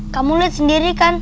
kamu lihat sendiri kan